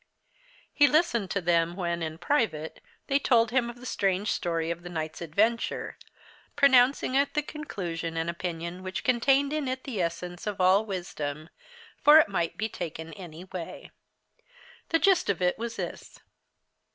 He listened to them when, in private, they told him the strange story of the night's adventure, pronouncing at the conclusion an opinion which contained in it the essence of all wisdom, for it might be taken any way. The gist of it was this.